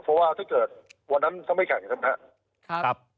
เพราะว่าถ้าเกิดวันนั้นจะไม่แข่งแบบนี้นะครับ